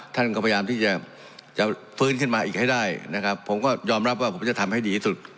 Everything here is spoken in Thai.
ท่านก็พยายามที่จะจะฟื้นขึ้นมาอีกให้ได้นะครับผมก็ยอมรับว่าผมจะทำให้ดีที่สุด